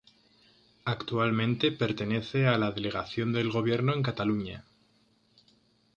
Actualmente pertenece a la Delegación del Gobierno en Cataluña.